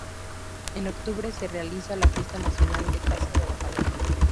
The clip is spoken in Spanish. En octubre se realiza la Fiesta Nacional de Caza de la Paloma.